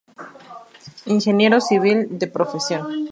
Ingeniero civil de profesión.